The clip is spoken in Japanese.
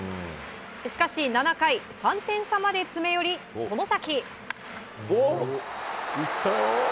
しかし７回３点差まで詰め寄り、外崎。